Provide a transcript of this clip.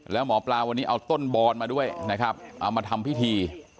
แล้วหมอปลาวันนี้เอาต้นบอนมาด้วยนะครับเอามาทำพิธี